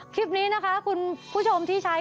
คลิปนี้นะคะคุณผู้ชมที่ใช้